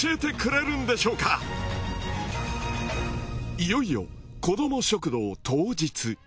いよいよ子ども食堂当日。